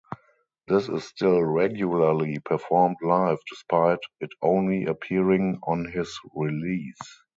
This is still regularly performed live despite it only appearing on this release.